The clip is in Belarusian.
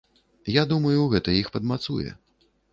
Я думаю, гэта іх падмацуе.